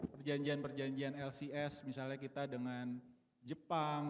perjanjian perjanjian lcs misalnya kita dengan jepang